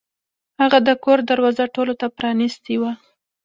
هغه د کور دروازه ټولو ته پرانیستې وه.